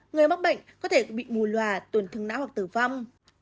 người mắc bệnh có thể bị mù lòa tuần thương não hoặc tử vong